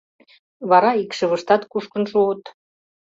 — Вара икшывыштат кушкын шуыт.